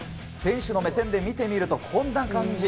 選手の目線で見てみると、こんな感じ。